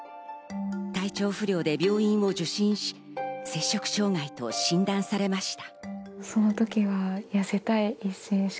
体調不良で病院を受診し、摂食障害と診断されました。